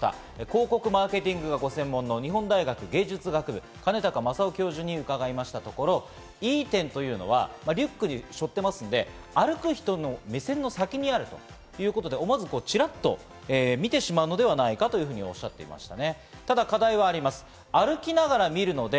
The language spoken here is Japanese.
広告・マーケティングを専門の日本大学芸術学部、兼高聖雄教授に伺いましたところ、いい点とうのはリュックを背負ってますので、歩く人の目線の先にあるということで、思わずチラッと見てしまうのではないかとおっしゃっていました。